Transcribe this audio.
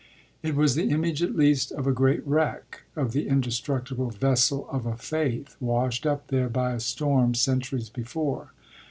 It was the image at least of a great wreck, of the indestructible vessel of a faith, washed up there by a storm centuries before.